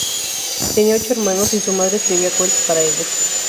Tenía ocho hermanos, y su madre escribía cuentos para ellos.